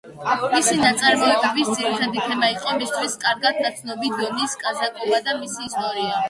მისი ნაწარმოებების ძირითადი თემა იყო მისთვის კარგად ნაცნობი დონის კაზაკობა და მისი ისტორია.